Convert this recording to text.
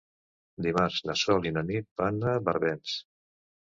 Dimarts na Sol i na Nit van a Barbens.